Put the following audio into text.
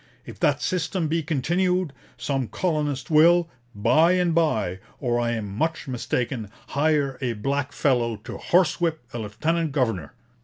If that system be continued, some colonist will, by and by, or I am much mistaken, hire a black fellow to horsewhip a lieutenant governor.'